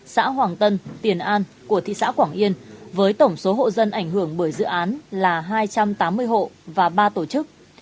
xã hoàng tân tiền an của thị xã quảng yên với tổng số hộ dân ảnh hưởng bởi dự án là hai trăm tám mươi hộ và ba tổ chức